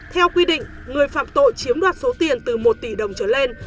theo quy định người phạm tội chiếm đoạt số tiền từ một tỷ đồng trở lên